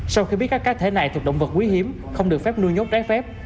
sau khi biết các cá thể này thuộc động vật quý hiếm không được phép nuôi nhốt trái phép